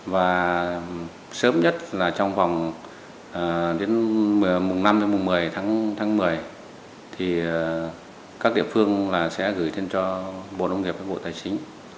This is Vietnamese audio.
và sớm nhất trong vòng mùng năm đến mùng một mươi tháng một mươi các địa phương sẽ gửi thêm cho bộ nông nghiệp và bộ tài chính